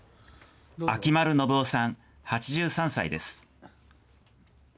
秋丸信夫さん８３歳です。